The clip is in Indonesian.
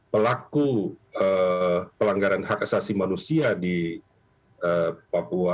pelaku pelanggaran hak asasi manusia di papua ini juga menjadi perhubungan